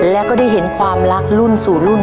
แล้วก็ได้เห็นความรักรุ่นสู่รุ่น